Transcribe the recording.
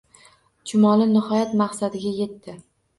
Chumoli nihoyat maqsadiga yetdi